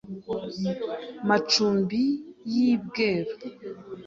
Macumbi y'i Bweru